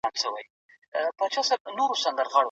آيا اقتصادي وده پرته له اقتصادي پرمختيا ممکنه ده؟